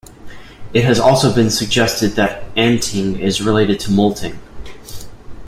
It has also been suggested that anting is related to moulting.